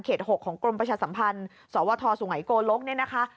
๖ของกรมประชาสัมพันธ์สวทสุงัยโกลกเนี่ยนะคะ